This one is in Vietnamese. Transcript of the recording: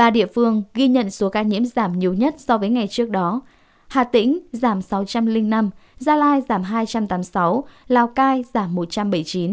ba địa phương ghi nhận số ca nhiễm giảm nhiều nhất so với ngày trước đó hà tĩnh giảm sáu trăm linh năm gia lai giảm hai trăm tám mươi sáu lào cai giảm một trăm bảy mươi chín